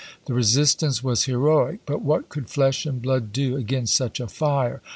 The resistance was heroic — but what could flesh and blood do against such a fii'e 1